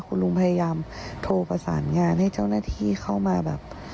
คุณลุงพยายามโทรประสานงานให้เจ้าหน้าที่เข้ามาแบบ